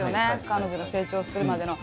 彼女が成長するまでの。